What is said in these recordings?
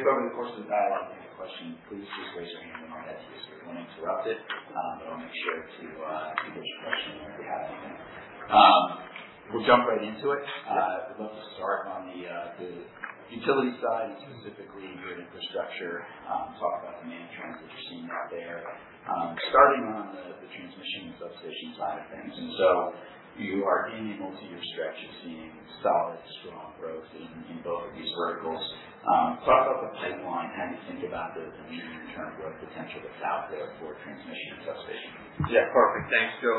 If over the course of the dialogue you have a question, please just raise your hand and I'll get to you so we won't interrupt it. I'll make sure to get your question in there if you have anything. We'll jump right into it. Yeah. We'd love to start on the utility side, and specifically grid infrastructure, talk about the main trends that you're seeing out there. Starting on the transmission and substation side of things. You are gaining multi-year stretch. You're seeing solid, strong growth in both of these verticals. Talk about the pipeline, how you think about the medium-term growth potential that's out there for transmission and substation. Yeah, perfect. Thanks, Joe.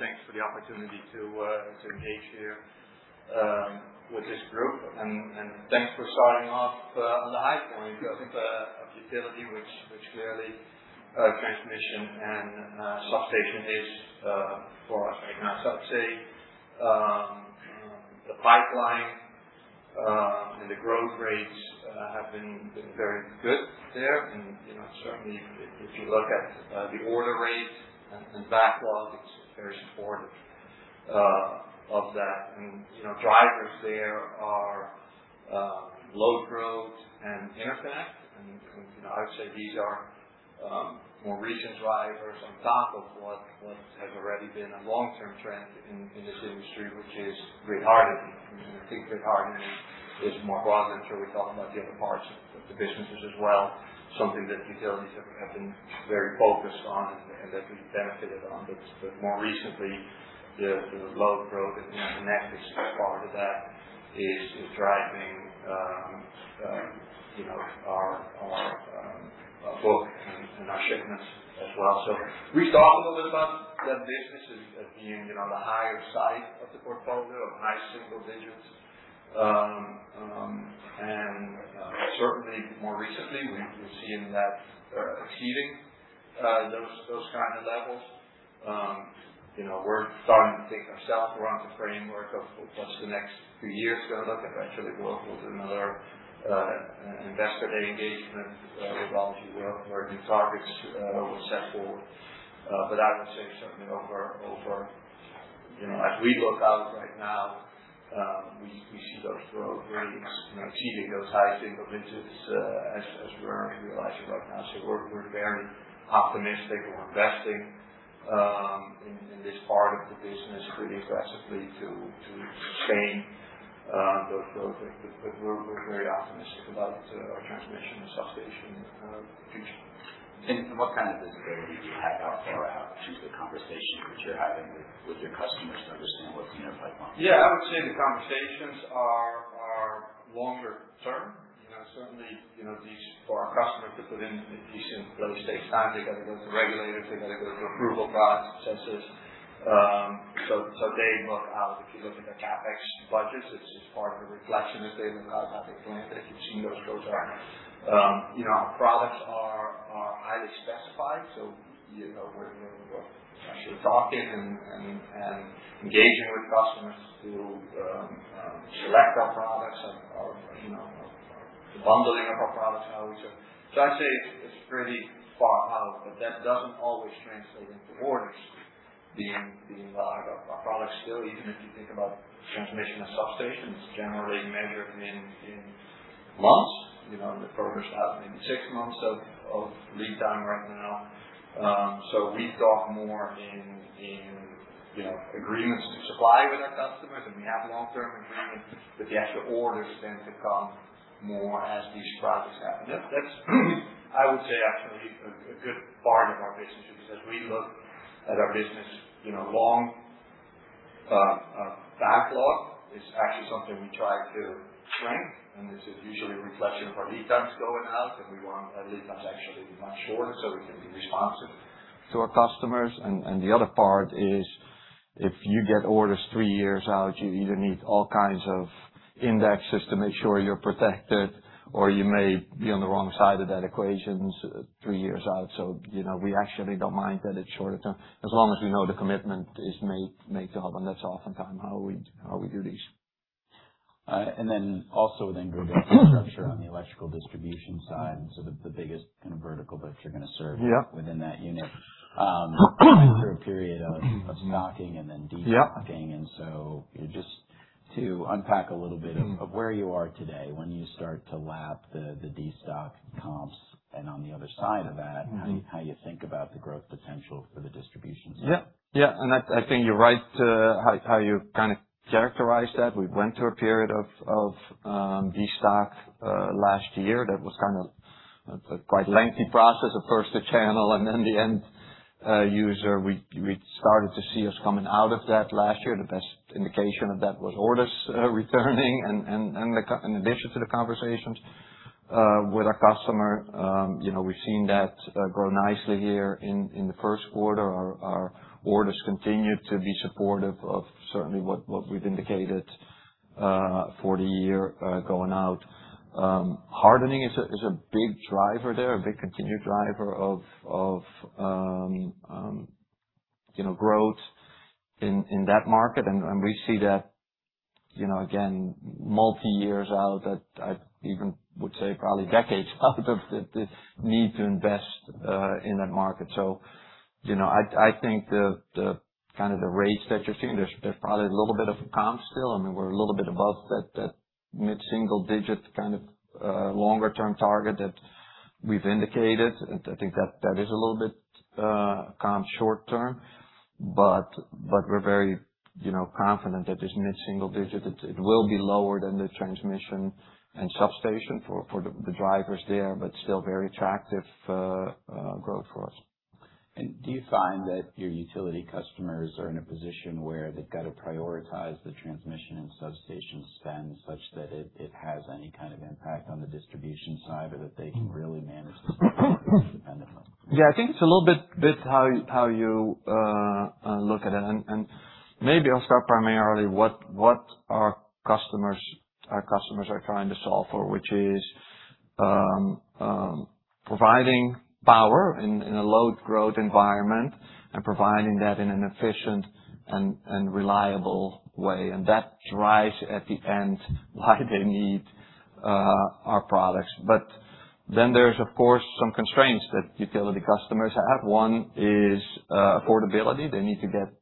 Thanks for the opportunity to engage here with this group. Thanks for starting off on the high point- Yeah of utility, which clearly transmission and substation is for us right now. I'd say the pipeline and the growth rates have been very good there. Certainly if you look at the order rates and backlog, it's very supportive of that. Drivers there are load growth and interconnect. I would say these are more recent drivers on top of what has already been a long-term trend in this industry, which is grid hardening. I think grid hardening is more broad. I'm sure we talk about the other parts of the businesses as well. Something that utilities have been very focused on and that we benefited on. More recently, the load growth and interconnect is part of that, is driving our book and our shipments as well. We've talked a little bit about that business as being on the higher side of the portfolio, high single digits. Certainly more recently, we're seeing that exceeding those kind of levels. We're starting to think ourselves around the framework of what's the next few years going to look like. Eventually we'll do another investor day engagement. We'll obviously work where new targets were set for. I would say certainly as we look out right now, we see those growth rates exceeding those high single digits as we're realizing right now. We're very optimistic. We're investing in this part of the business pretty aggressively to sustain those growth rates. We're very optimistic about our transmission and substation future. What kind of visibility do you have out there as to the conversations which you're having with your customers to understand what the pipeline looks like? I would say the conversations are longer term. Certainly, for our customers to put in a decent load stage time, they've got to go through regulators, they've got to go through approval processes. They look out. If you look at their CapEx budgets, it's part of a reflection as they look out how they plan. Our products are highly specified, so we're actually talking and engaging with customers to select our products or the bundling of our products. I'd say it's pretty far out, but that doesn't always translate into orders being live. Our products still, even if you think about transmission and substations, generally measured in months. The furthest out maybe six months of lead time right now. We talk more in agreements and supply with our customers, and we have long-term agreements, but the actual orders tend to come more as these projects happen. That's I would say, actually a good part of our business. As we look at our business, long backlog is actually something we try to shrink, and this is usually a reflection of our lead times going out, and we want our lead times actually much shorter so we can be responsive to our customers. And the other part is if you get orders three years out, you either need all kinds of indexes to make sure you're protected, or you may be on the wrong side of that equation three years out. We actually don't mind that it's shorter term, as long as we know the commitment is made to Hubbell, and that's oftentimes how we do these. Also within grid infrastructure on the electrical distribution side, the biggest kind of vertical that you're going to serve Yeah within that unit. Went through a period of stocking and then de-stocking. Yeah. Just to unpack a little bit of where you are today, when you start to lap the de-stock comps and on the other side of that how you think about the growth potential for the distribution side? Yeah. I think you're right how you characterized that. We went through a period of destock last year that was a quite lengthy process. At first the channel and then the end user. We started to see us coming out of that last year. The best indication of that was orders returning. In addition to the conversations with our customer, we've seen that grow nicely here in the Q1. Our orders continued to be supportive of certainly what we've indicated for the year going out. Hardening is a big driver there, a big continued driver of growth in that market, and we see that again, multi-years out. I even would say probably decades out of the need to invest in that market. I think the rates that you're seeing, there's probably a little bit of a comp still. I mean, we're a little bit above that mid-single digit kind of longer term target that we've indicated. I think that is a little bit comp short term. We're very confident that this mid-single digit, it will be lower than the transmission and substation for the drivers there, but still very attractive growth for us. Do you find that your utility customers are in a position where they've got to prioritize the transmission and substation spend such that it has any kind of impact on the distribution side, or that they can really manage to spend independently? Yeah, I think it's a little bit how you look at it. Maybe I'll start primarily what our customers are trying to solve for, which is providing power in a low growth environment and providing that in an efficient and reliable way. That drives, at the end, why they need our products. There's, of course, some constraints that utility customers have. One is affordability. They need to get,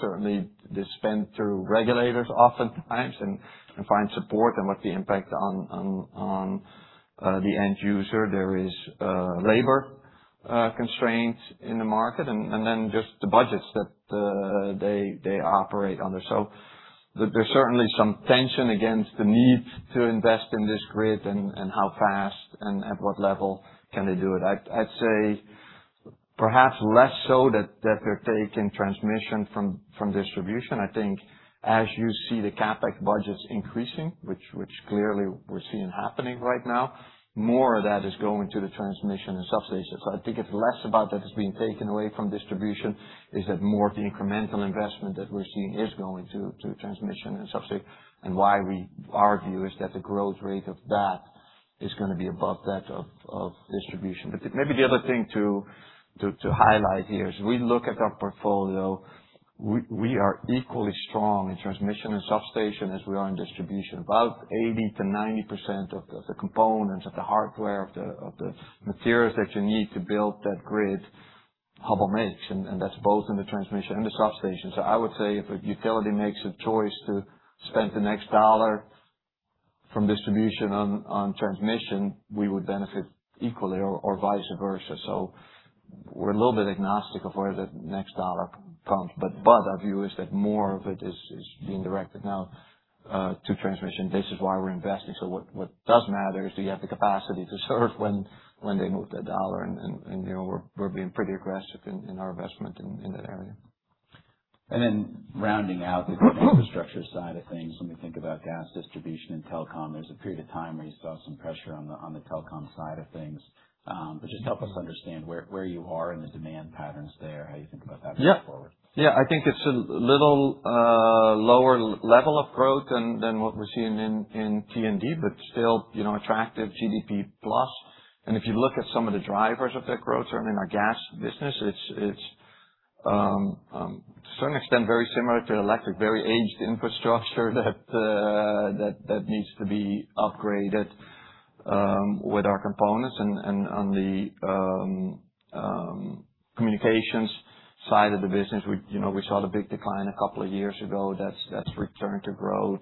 certainly they spend through regulators oftentimes and find support on what the impact on the end user. There is labor constraints in the market, and then just the budgets that they operate under. There's certainly some tension against the need to invest in this grid and how fast and at what level can they do it. I'd say perhaps less so that they're taking transmission from distribution. I think as you see the CapEx budgets increasing, which clearly we're seeing happening right now, more of that is going to the transmission and substation. I think it's less about that it's being taken away from distribution. Is that more of the incremental investment that we're seeing is going to transmission and substation. Why we argue is that the growth rate of that is going to be above that of distribution. Maybe the other thing to highlight here is we look at our portfolio. We are equally strong in transmission and substation as we are in distribution. About 80%-90% of the components, of the hardware, of the materials that you need to build that grid, Hubbell makes. That's both in the transmission and the substation. I would say if a utility makes a choice to spend the next dollar from distribution on transmission, we would benefit equally or vice versa. We're a little bit agnostic of where the next dollar comes. Our view is that more of it is being directed now to transmission. This is why we're investing. What does matter is, do you have the capacity to serve when they move that dollar? We're being pretty aggressive in our investment in that area. Rounding out the grid infrastructure side of things. When we think about gas distribution and telecom, there's a period of time where you saw some pressure on the telecom side of things. Just help us understand where you are in the demand patterns there, how you think about that going forward. I think it's a little lower level of growth than what we're seeing in T&D, but still attractive GDP plus. If you look at some of the drivers of that growth, I mean, our gas business, it's to a certain extent very similar to electric, very aged infrastructure that needs to be upgraded with our components. On the communications side of the business, we saw the big decline a couple of years ago. That's returned to growth.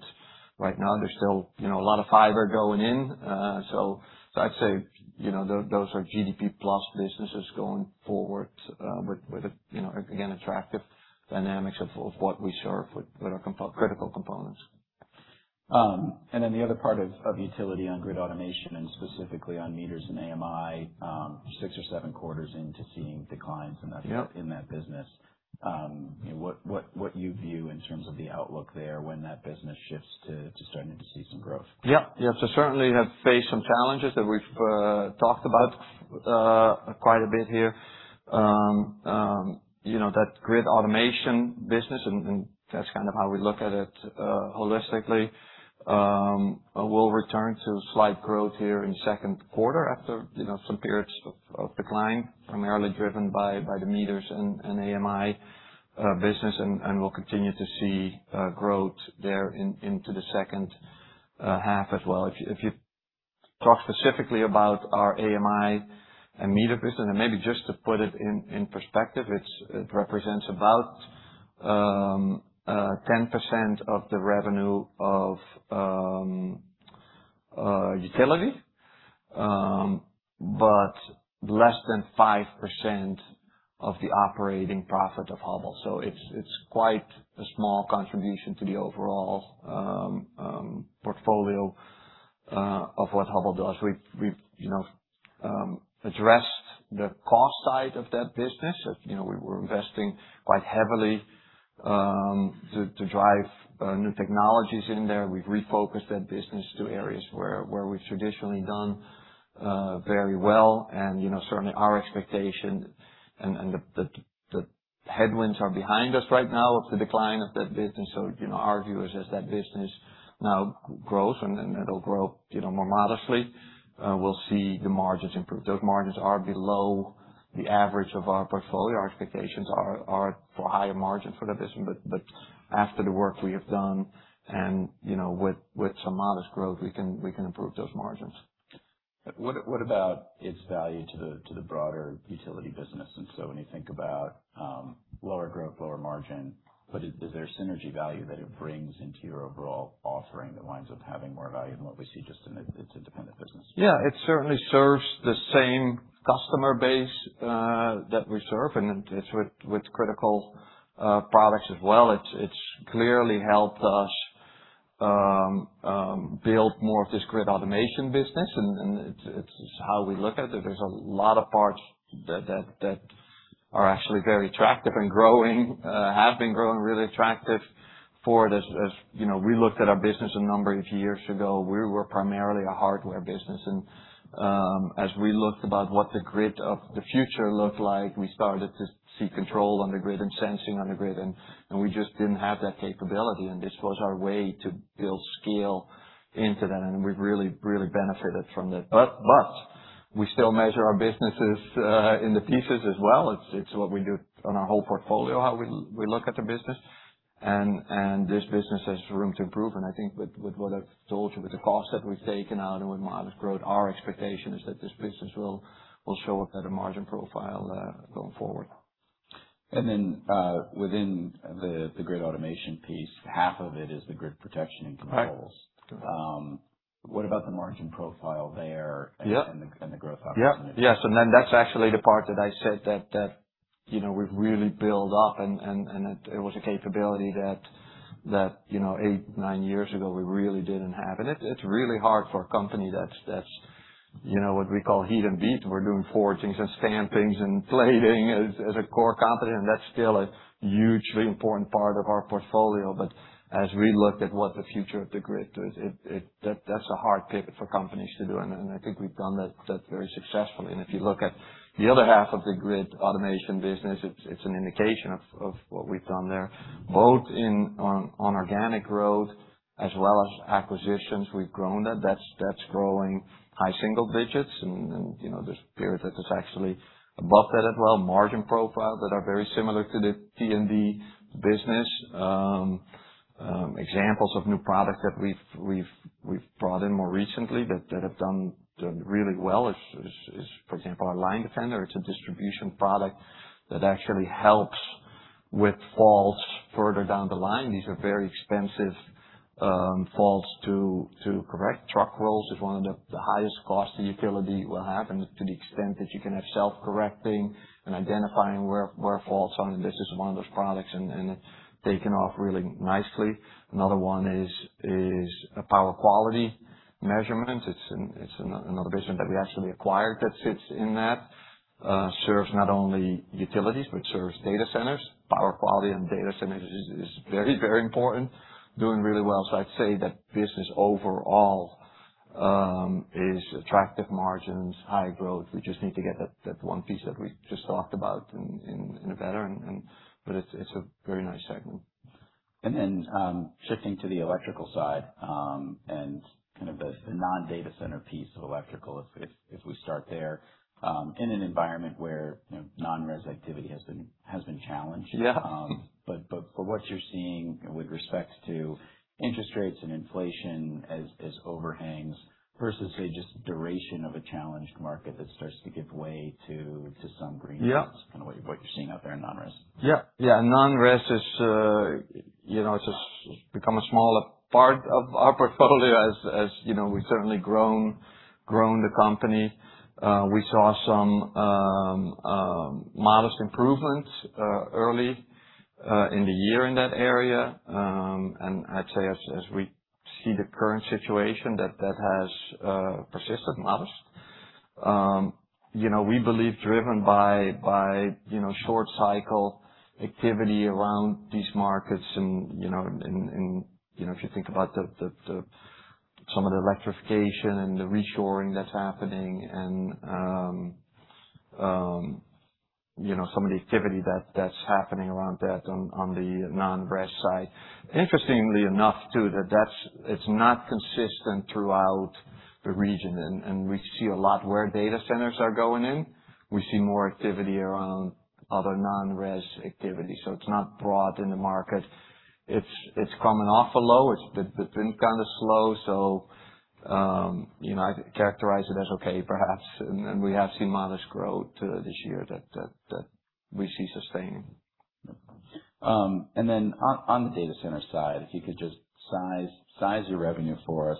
Right now, there's still a lot of fiber going in. I'd say those are GDP plus businesses going forward with, again, attractive dynamics of what we serve with our critical components. The other part of utility on grid automation and specifically on meters and AMI, six or seven quarters into seeing declines in that business. Yep. What you view in terms of the outlook there when that business shifts to starting to see some growth? Yep. Certainly have faced some challenges that we've talked about quite a bit here. That grid automation business, and that's kind of how we look at it holistically, will return to slight growth here in Q1 after some periods of decline, primarily driven by the meters and AMI business. We'll continue to see growth there into the second half as well. If you talk specifically about our AMI and meter business, and maybe just to put it in perspective, it represents about 10% of the revenue of utility. Less than five percent of the operating profit of Hubbell. It's quite a small contribution to the overall portfolio of what Hubbell does. We've addressed the cost side of that business. We were investing quite heavily to drive new technologies in there. We've refocused that business to areas where we've traditionally done very well. Certainly our expectation and the headwinds are behind us right now of the decline of that business. Our view is as that business now grows and it'll grow more modestly, we'll see the margins improve. Those margins are below the average of our portfolio. Our expectations are for higher margins for that business. After the work we have done and with some modest growth, we can improve those margins. What about its value to the broader utility business? When you think about lower growth, lower margin, is there synergy value that it brings into your overall offering that winds up having more value than what we see just in its independent business? Yeah. It certainly serves the same customer base that we serve, and it's with critical products as well. It's clearly helped us build more of this grid automation business, and it's how we look at it. There's a lot of parts that are actually very attractive and growing, have been growing really attractive for it. As we looked at our business a number of years ago, we were primarily a hardware business. As we looked about what the grid of the future looked like, we started to see control on the grid and sensing on the grid, and we just didn't have that capability, and this was our way to build scale into that, and we've really benefited from that. We still measure our businesses in the pieces as well. It's what we do on our whole portfolio, how we look at the business. This business has room to improve. I think with what I've told you, with the cost that we've taken out and with modest growth, our expectation is that this business will show a better margin profile, going forward. Within the grid automation piece, half of it is the grid protection and controls. Right. What about the margin profile there? Yeah The growth opportunities? Yes. That's actually the part that I said that we've really built up, and it was a capability that eight, nine years ago, we really didn't have. It's really hard for a company that's what we call heat and beat. We're doing forgings and stampings and plating as a core competency, and that's still a hugely important part of our portfolio. As we looked at what the future of the grid is, that's a hard pivot for companies to do, and I think we've done that very successfully. If you look at the other half of the grid automation business, it's an indication of what we've done there, both on organic growth as well as acquisitions. We've grown that. That's growing high single digits, and there's periods that it's actually above that as well. Margin profiles that are very similar to the T&D business. Examples of new product that we've brought in more recently that have done really well is, for example, our Line Defender. It's a distribution product that actually helps with faults further down the line. These are very expensive faults to correct. Truck rolls is one of the highest costs the utility will have, and to the extent that you can have self-correcting and identifying where faults are, and this is one of those products, and it's taken off really nicely. Another one is a power quality measurement. It's another business that we actually acquired that sits in that. Serves not only utilities, but serves data centers. Power quality in data centers is very, very important. Doing really well. I'd say that business overall is attractive margins, high growth. We just need to get that one piece that we just talked about in a better. It's a very nice segment. Shifting to the electrical side, and kind of the non-data center piece of electrical, if we start there. In an environment where non-res activity has been challenged. Yeah. What you're seeing with respect to interest rates and inflation as overhangs versus, say, just duration of a challenged market that starts to give way to some green shoots. Yeah. Kind of what you're seeing out there in non-res. Yeah. Non-res has just become a smaller part of our portfolio as we've certainly grown the company. We saw some modest improvements early in the year in that area. I'd say as we see the current situation, that has persisted modest. We believe driven by short cycle activity around these markets. If you think about some of the electrification and the reshoring that's happening and some of the activity that's happening around that on the non-res side. Interestingly enough, too, that it's not consistent throughout the region. We see a lot where data centers are going in. We see more activity around other non-res activity. It's not broad in the market. It's coming off a low. It's been kind of slow, so I'd characterize it as okay, perhaps. We have seen modest growth this year that we see sustaining. On the data center side, if you could just size your revenue for us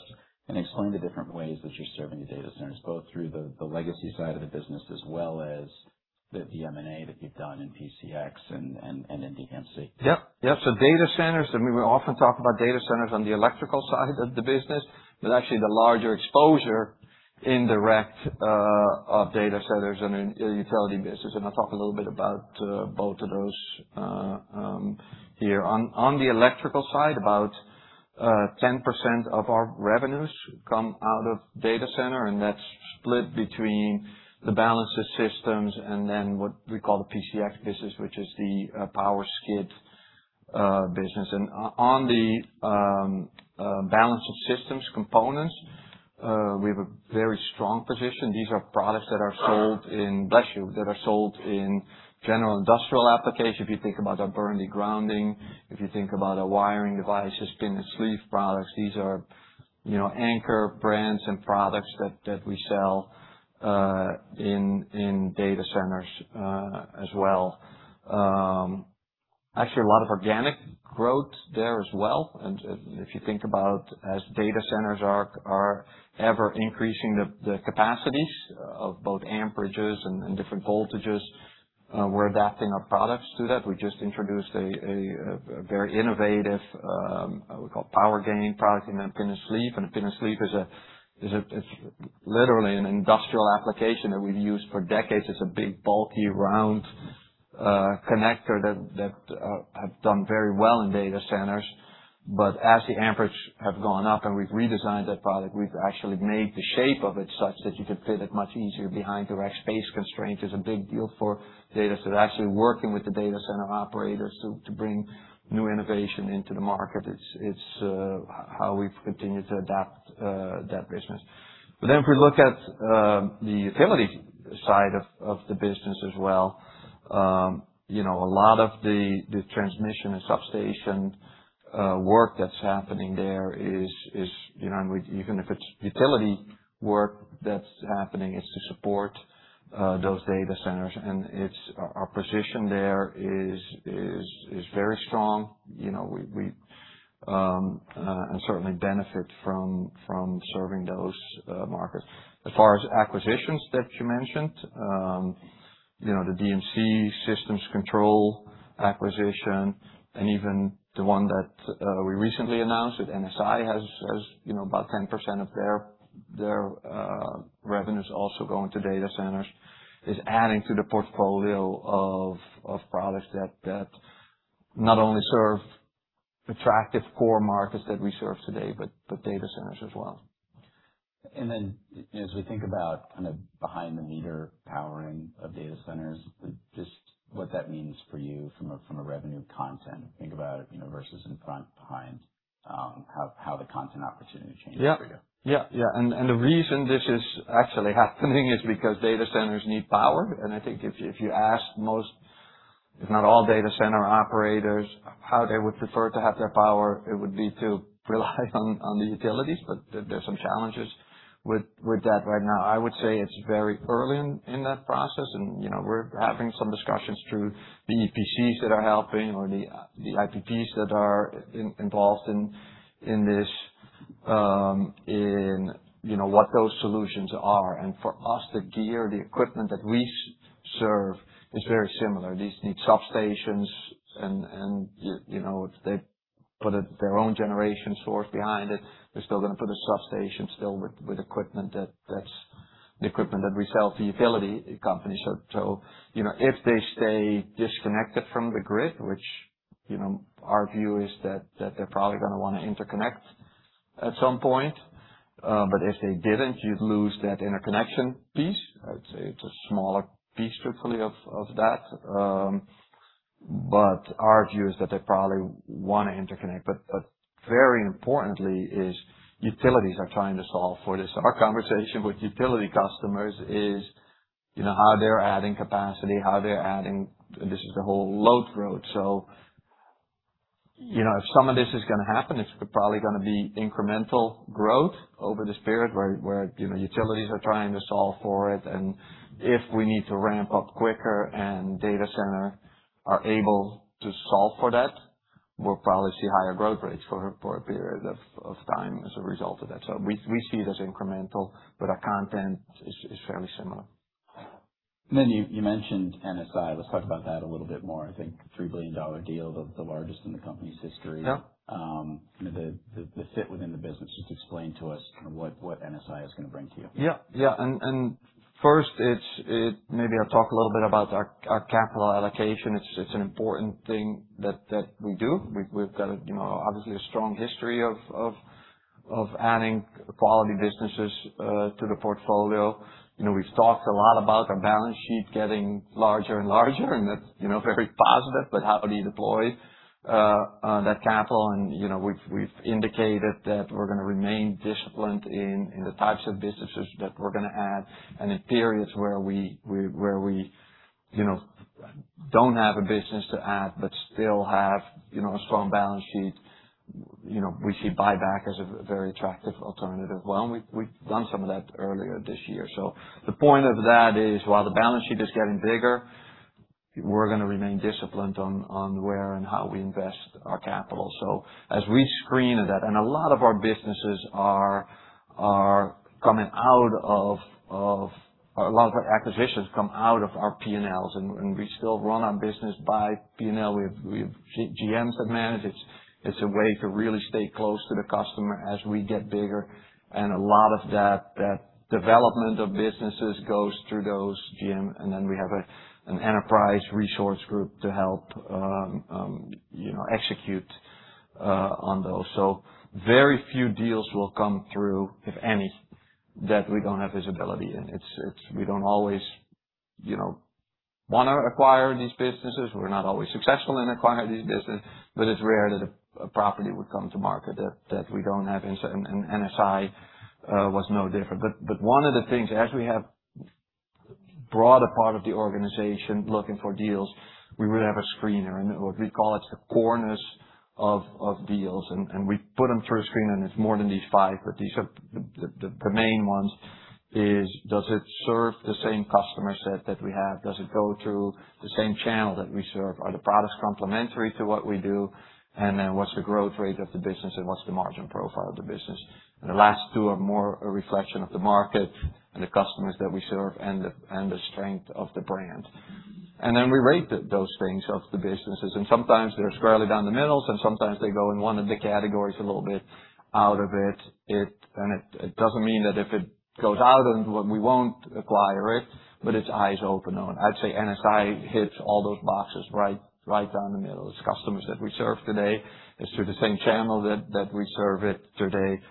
and explain the different ways that you're serving the data centers, both through the legacy side of the business as well as the M&A that you've done in PCX and in DMC. Yep. Data centers, we often talk about data centers on the electrical side of the business, but actually the larger exposure in the rec of data centers and in the utility business. I'll talk a little bit about both of those here. On the electrical side, about 10% of our revenues come out of data center, and that's split between the balance of systems and then what we call the PCX business, which is the power skid business. On the balance of systems components, we have a very strong position. These are products that are sold in Bless you. That are sold in general industrial applications. If you think about our Burndy grounding, if you think about our wiring devices, Pin and Sleeve products, these are anchor brands and products that we sell in data centers as well. Actually, a lot of organic growth there as well. If you think about as data centers are ever increasing the capacities of both amperages and different voltages, we're adapting our products to that. We just introduced a very innovative, we call PowerGain product in Pin and Sleeve. A Pin and Sleeve is literally an industrial application that we've used for decades. It's a big, bulky, round connector that have done very well in data centers. As the amperage have gone up and we've redesigned that product, we've actually made the shape of it such that you can fit it much easier behind direct space constraints, is a big deal for data. They're actually working with the data center operators to bring new innovation into the market. It's how we've continued to adapt that business. If we look at the utility side of the business as well. A lot of the transmission and substation work that's happening there is, even if it's utility work that's happening, it's to support those data centers. Our position there is very strong. Certainly benefit from serving those markets. As far as acquisitions that you mentioned, the DMC Power systems control acquisition, and even the one that we recently announced, that NSI has about 10% of their revenues also going to data centers, is adding to the portfolio of products that not only serve attractive core markets that we serve today, but data centers as well. As we think about kind of behind the meter powering of data centers, just what that means for you from a revenue content. Think about it, versus in front, behind, how the content opportunity changes for you. Yeah. The reason this is actually happening is because data centers need power. I think if you ask most, if not all data center operators, how they would prefer to have their power, it would be to rely on the utilities, but there's some challenges with that right now. I would say it's very early in that process, and we're having some discussions through the EPCs that are helping or the IPPs that are involved in this, in what those solutions are. For us, the gear, the equipment that we serve is very similar. These need substations and if they put their own generation source behind it, they're still going to put a substation still with equipment that's the equipment that we sell to utility companies. If they stay disconnected from the grid, which our view is that they're probably going to want to interconnect at some point. If they didn't, you'd lose that interconnection piece. I would say it's a smaller piece strictly of that. Our view is that they probably want to interconnect. Very importantly is, utilities are trying to solve for this. Our conversation with utility customers is, how they're adding capacity, how they're adding This is the whole load road. If some of this is going to happen, it's probably going to be incremental growth over this period, where utilities are trying to solve for it. If we need to ramp up quicker and data center are able to solve for that, we'll probably see higher growth rates for a period of time as a result of that. We see it as incremental, but our content is fairly similar. You mentioned NSI. Let's talk about that a little bit more. I think $3 billion deal, the largest in the company's history. Yeah. The fit within the business. Just explain to us kind of what NSI is going to bring to you. First, maybe I'll talk a little bit about our capital allocation. It's an important thing that we do. We've got, obviously, a strong history of adding quality businesses to the portfolio. We've talked a lot about our balance sheet getting larger and larger, and that's very positive, but how do you deploy that capital? We've indicated that we're going to remain disciplined in the types of businesses that we're going to add. In periods where we don't have a business to add but still have a strong balance sheet, we see buyback as a very attractive alternative. Well, we've done some of that earlier this year. The point of that is, while the balance sheet is getting bigger, we're going to remain disciplined on where and how we invest our capital. As we screen that, a lot of our acquisitions come out of our P&Ls, and we still run our business by P&L. We have GMs that manage. It's a way to really stay close to the customer as we get bigger. A lot of that development of businesses goes through those GM. Then we have an enterprise resource group to help execute on those. Very few deals will come through, if any, that we don't have visibility in. We don't always want to acquire these businesses. We're not always successful in acquiring these businesses, but it's rare that a property would come to market that we don't have insight. NSI was no different. One of the things as we have broader part of the organization looking for deals, we would have a screener, and we call it the corners of deals. We put them through a screener, and it's more than these five. These are the main ones, does it serve the same customer set that we have? Does it go through the same channel that we serve? Are the products complementary to what we do? Then what's the growth rate of the business? What's the margin profile of the business? The last two are more a reflection of the market and the customers that we serve and the strength of the brand. Then we rate those things of the businesses, and sometimes they're squarely down the middle, and sometimes they go in one of the categories a little bit out of it. It doesn't mean that if it goes out of them, we won't acquire it, but it's eyes open. I'd say NSI hits all those boxes right down the middle. It's customers that we serve today. It's through the same channel that we serve it today.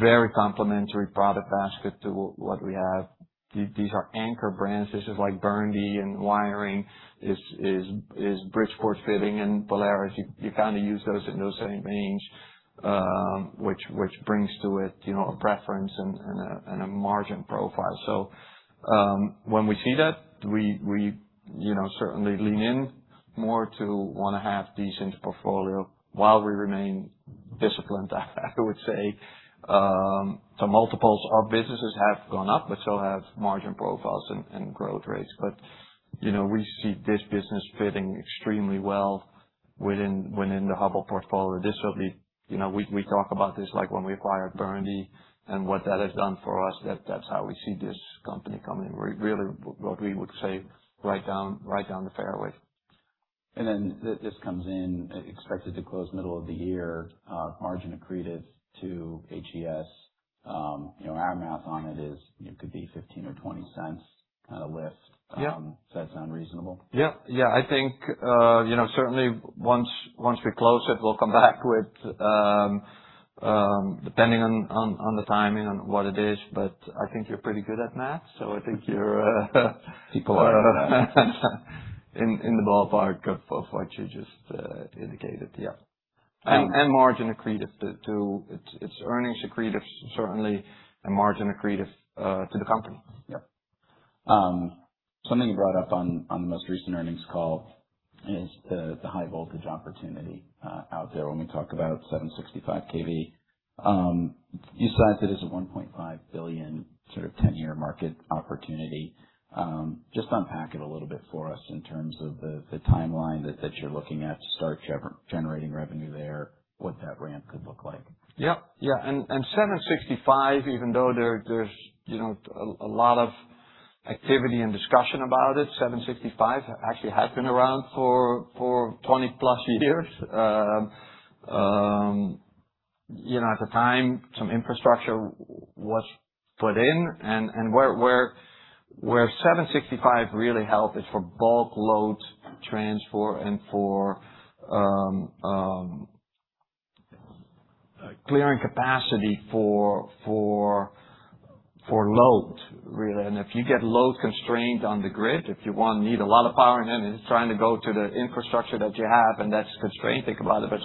Very complementary product basket to what we have. These are anchor brands. This is like Burndy in wiring, is Bridgeport fitting in Polaris. You kind of use those in those same veins, which brings to it a preference and a margin profile. When we see that, we certainly lean in more to want to have these in the portfolio while we remain disciplined I would say, to multiples. Our businesses have gone up, but so have margin profiles and growth rates. We see this business fitting extremely well within the Hubbell portfolio. We talk about this like when we acquired Burndy and what that has done for us. That's how we see this company coming. Really what we would say right down the fairway. This comes in expected to close middle of the year, margin accretive to HES. Our math on it is could be $0.15 or $0.20 lift. Yeah. Does that sound reasonable? Yeah. I think certainly once we close it, we'll come back with, depending on the timing, on what it is, but I think you're pretty good at math. People are good at math in the ballpark of what you just indicated. Yeah. It's earnings accretive, certainly, and margin accretive to the company. Yeah. Something you brought up on the most recent earnings call is the high voltage opportunity out there when we talk about 765 kV. You sized it as a $1.5 billion sort of 10-year market opportunity. Just unpack it a little bit for us in terms of the timeline that you're looking at to start generating revenue there, what that ramp could look like. Yeah. 765, even though there's a lot of activity and discussion about it, 765 actually has been around for 20 plus years. At the time, some infrastructure was put in, and where 765 really helped is for bulk load transfer and for clearing capacity for load, really. If you get load constraint on the grid, if you need a lot of power and then it's trying to go to the infrastructure that you have, and that's constrained. Think about it as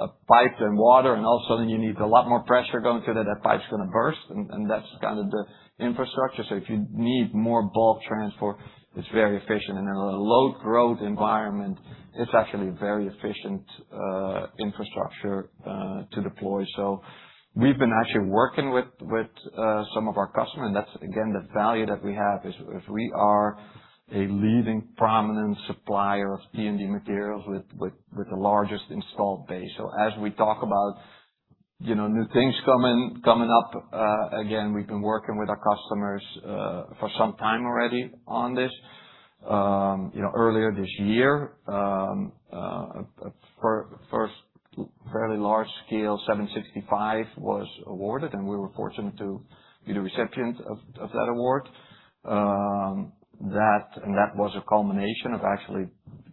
a pipe and water, and all of a sudden you need a lot more pressure going through that pipe's going to burst, and that's kind of the infrastructure. If you need more bulk transfer, it's very efficient. In a load growth environment, it's actually very efficient infrastructure to deploy. We've been actually working with some of our customers, and that's, again, the value that we have is we are a leading prominent supplier of T&D materials with the largest installed base. As we talk about new things coming up, again, we've been working with our customers for some time already on this. Earlier this year, first fairly large scale 765 was awarded, and we were fortunate to be the recipient of that award. That was a culmination of actually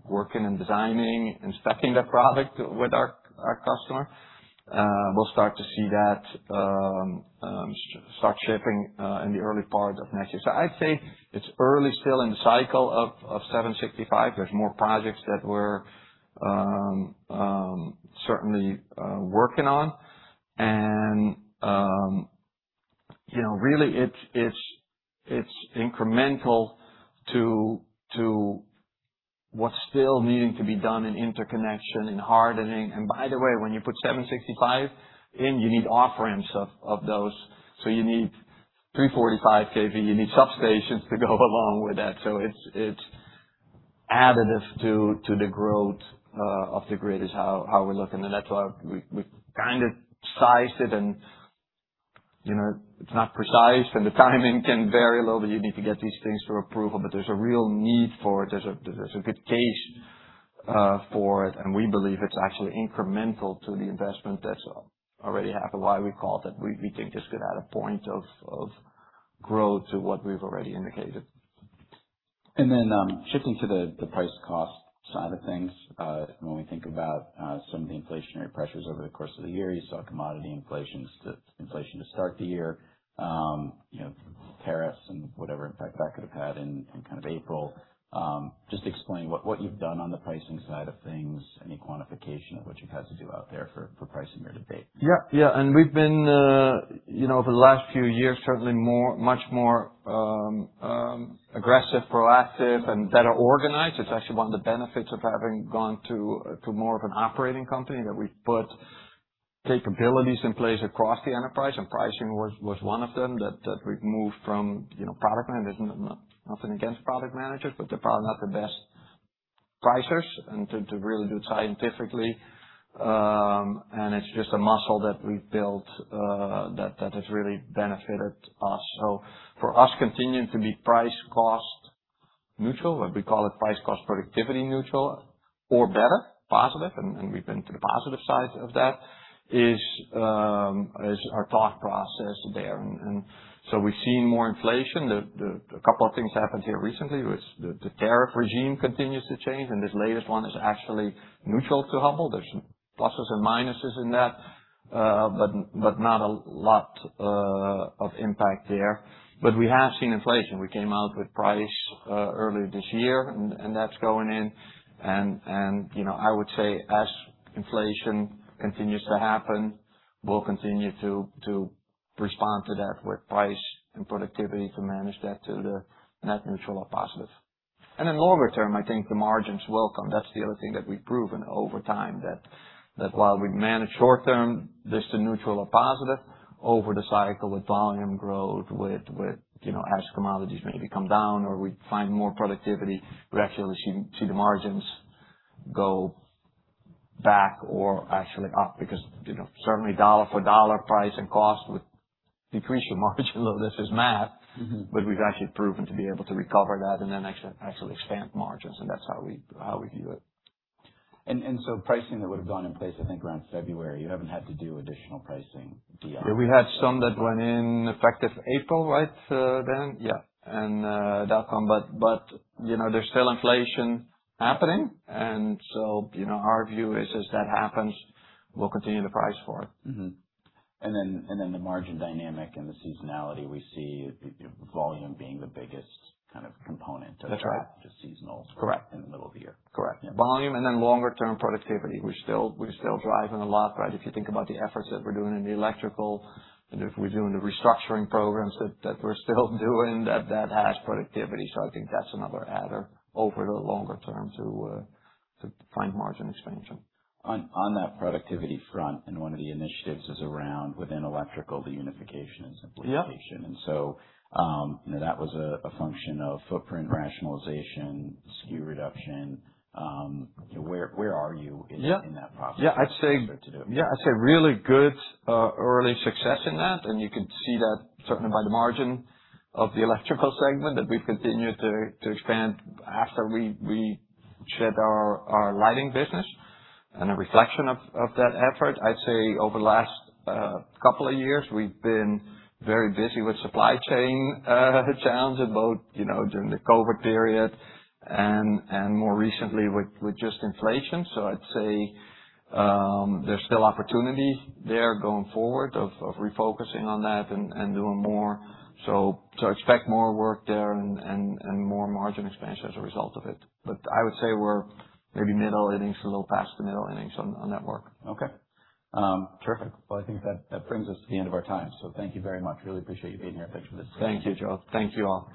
working and designing and specifying that product with our customer. We'll start to see that start shipping in the early part of next year. I'd say it's early still in the cycle of 765. There's more projects that we're certainly working on. Really it's incremental to what's still needing to be done in interconnection and hardening. By the way, when you put 765 in, you need off-ramps of those. You need 345 kV. You need substations to go along with that. It's additive to the growth of the grid is how we're looking. That's why we kind of sized it, and it's not precise, and the timing can vary a little, but you need to get these things for approval. There's a real need for it. There's a good case for it, and we believe it's actually incremental to the investment that's already happened. Why we call it that, we think this could add one point of growth to what we've already indicated. Shifting to the price cost side of things. When we think about some of the inflationary pressures over the course of the year, you saw commodity inflation to start the year. Tariffs and whatever impact that could have had in kind of April. Just explain what you've done on the pricing side of things, any quantification of what you've had to do out there for pricing your debate. Yeah. We've been, over the last few years, certainly much more aggressive, proactive and better organized. It's actually one of the benefits of having gone to more of an operating company that we put capabilities in place across the enterprise, and pricing was one of them that we've moved from product managers. Nothing against product managers, but they're probably not the best pricers and to really do it scientifically. It's just a muscle that we've built that has really benefited us. For us, continuing to be price cost neutral, what we call it price cost productivity neutral or better, positive, and we've been to the positive side of that is our thought process there. We've seen more inflation. A couple of things happened here recently. The tariff regime continues to change, and this latest one is actually neutral to Hubbell. There's pluses and minuses in that. Not a lot of impact there. We have seen inflation. We came out with price earlier this year, and that's going in. I would say as inflation continues to happen, we'll continue to respond to that with price and productivity to manage that to the net neutral or positive. In longer term, I think the margins will come. That's the other thing that we've proven over time, that while we manage short term, this to neutral or positive over the cycle with volume growth, with as commodities maybe come down or we find more productivity, we actually see the margins go back or actually up because certainly dollar for dollar, price and cost would decrease your margin, although this is math. We've actually proven to be able to recover that and then actually expand margins. That's how we view it. Pricing that would have gone in place, I think around February, you haven't had to do additional pricing beyond. We had some that went in effective April, right? Yeah. Dotcom. There's still inflation happening, and so our view is, as that happens, we'll continue to price for it. Mm-hmm. The margin dynamic and the seasonality, we see volume being the biggest kind of component. That's right to seasonals Correct in the middle of the year. Correct. Volume and then longer term productivity. We're still driving a lot, right? If you think about the efforts that we're doing in the electrical, and if we're doing the restructuring programs that we're still doing that has productivity. I think that's another adder over the longer term to find margin expansion. On that productivity front, one of the initiatives is around within Electrical, the unification and simplification. Yeah. That was a function of footprint rationalization, SKU reduction. Where are you in that process? Yeah. Where to do- Yeah. I'd say really good early success in that, and you could see that certainly by the margin of the Electrical segment that we've continued to expand after we shed our lighting business and a reflection of that effort. I'd say over the last two years, we've been very busy with supply chain challenges both during the COVID period and more recently with just inflation. I'd say, there's still opportunity there going forward of refocusing on that and doing more. Expect more work there and more margin expansion as a result of it. I would say we're maybe middle innings to a little past the middle innings on that work. Okay. Terrific. Well, I think that brings us to the end of our time. Thank you very much. Really appreciate you being here, thanks for this. Thank you, Joel. Thank you all.